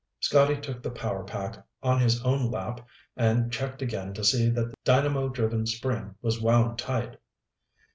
Scotty took the power pack on his own lap and checked again to see that the dynamo driven spring was wound tight.